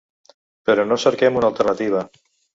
Però no cerquem una alternativa.